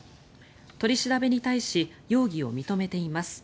取り調べに対し容疑を認めています。